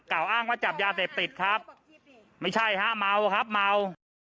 อ้างว่าจับยาเสพติดครับไม่ใช่ฮะเมาครับเมา